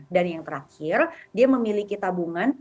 dan yang terakhir dia memiliki tabungan